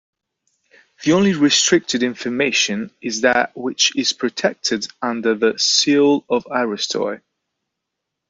The only restricted information is that which is protected under the "Seal Of Aristoi".